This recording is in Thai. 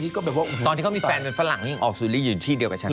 ตอนที่เขามีแฟนเป็นฝรั่งยังออกสุดลิดอยู่ที่เดียวกับชั้น